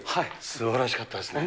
すばらしかったですね。